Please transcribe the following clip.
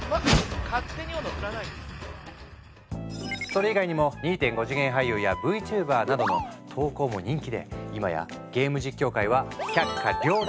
それ以外にも２．５次元俳優やＶＴｕｂｅｒなどの投稿も人気で今やゲーム実況界は百花繚乱状態！